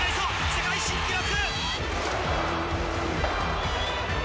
世界新記録！